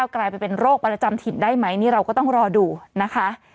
กลายเป็นโรคประจำถิ่นได้ไหมนี่เราก็ต้องรอดูนะคะ